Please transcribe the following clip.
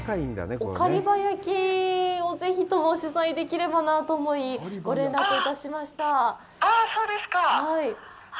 御狩場焼をぜひとも取材できればなと思いご連絡いたしました。